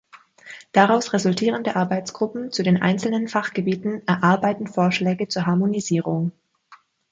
Daraus resultierende Arbeitsgruppen zu den einzelnen Fachgebieten erarbeiten Vorschläge zur Harmonisierung.